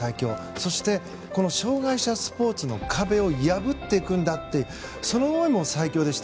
そして障害者スポーツの壁を破っていくんだという思いも最強でした。